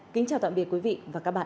kính chào tạm biệt quý vị và các bạn